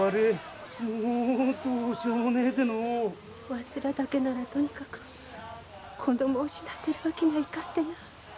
わしらだけならともかく子供を死なせるわけにはいかんでなぁ。